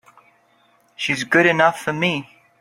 She's good enough for me!